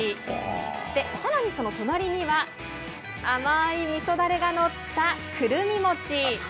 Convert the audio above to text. さらに隣には甘いみそだれが載ったくるみ餅。